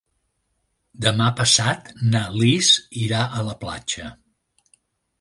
Demà passat na Lis irà a la platja.